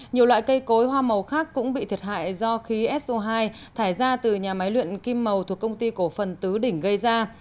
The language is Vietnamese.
nhiều loại cây cối hoa màu khác cũng bị thiệt hại do khí so hai thải ra từ nhà máy luyện kim màu thuộc công ty cổ phần tứ đỉnh gây ra